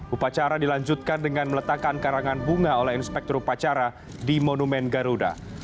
upacara dilanjutkan dengan meletakkan karangan bunga oleh inspektur upacara di monumen garuda